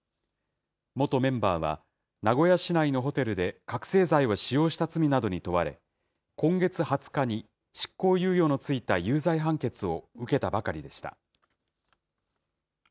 元メンバーは、名古屋市内のホテルで覚醒剤を使用した罪などに問われ、今月２０日に執行猶予の付いた有罪判決を受けたばかりでした。